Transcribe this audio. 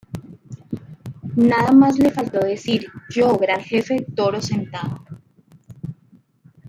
Nada más le faltó decir: ‘Yo, gran jefe Toro Sentado.